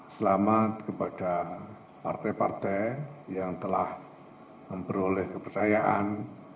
selamat kepada partai partai yang telah memperoleh kepercayaan